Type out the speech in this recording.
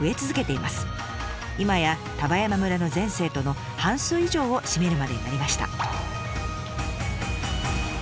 今や丹波山村の全生徒の半数以上を占めるまでになりました。